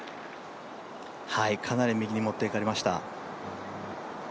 かなり右に持っていかれました。